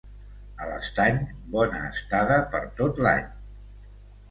A l'Estany, bona estada per tot l'any.